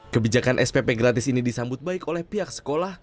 kebijakan spp gratis ini disambut baik oleh pihak sekolah